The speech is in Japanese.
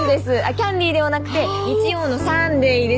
「キャンディー」ではなくて日曜の「サンデイ」です